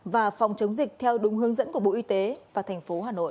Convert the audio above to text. và phòng chống dịch theo đúng hướng dẫn của bộ y tế và thành phố hà nội